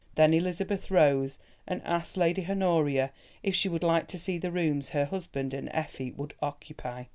Then Elizabeth rose and asked Lady Honoria if she would like to see the rooms her husband and Effie would occupy.